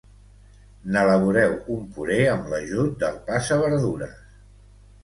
n'elaboreu un puré amb l'ajut del passaverdures